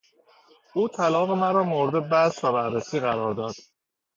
او طلاق مرا مورد بحث و بررسی قرار داد.